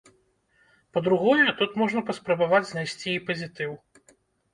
Па-другое, тут можна паспрабаваць знайсці і пазітыў.